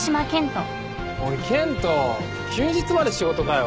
おい健人休日まで仕事かよ。